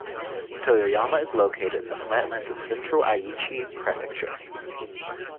Toyoyama is located in the flatlands of central Aichi Prefecture.